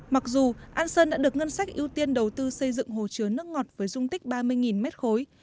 mặc dù an sơn đã được ngân sách ưu tiên đầu tư xây dựng hồ chứa nước ngọt với dung tích ba mươi mét khối